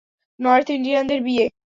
North ইন্ডিয়ানদের বিয়ে।